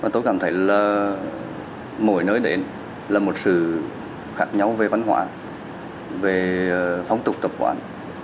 tôi cảm thấy là mỗi nơi đến là một sự khác nhau về văn hóa về phong tục tập quán